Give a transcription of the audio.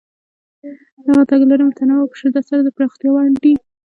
دغه تګلارې متنوع او په شدت سره د پراختیا وړ دي.